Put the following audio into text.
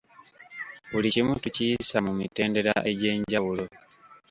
Buli kimu tukiyisa mu mitendera egy'enjawulo.